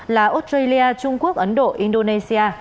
là australia trung quốc ấn độ indonesia